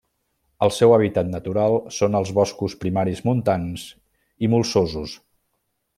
El seu hàbitat natural són els boscos primaris montans i molsosos.